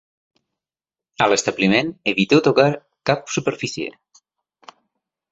A l'establiment, eviteu tocar cap superfície.